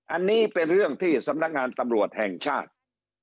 อันนี้เป็นเรื่องที่สำนักงานตำรวจแห่งชาติ